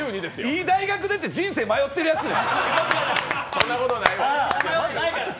いい大学出て、人生迷ってるやつや。